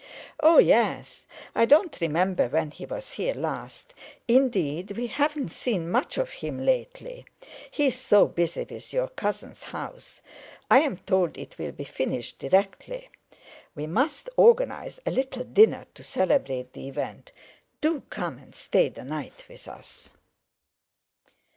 "Oh, yes! I don't remember when he was here last—indeed, we haven't seen much of him lately. He's so busy with your cousin's house; I'm told it'll be finished directly. We must organize a little dinner to celebrate the event; do come and stay the night with us!"